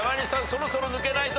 そろそろ抜けないと。